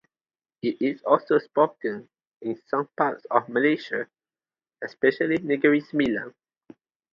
It is also spoken in some parts of Malaysia, especially Negeri Sembilan.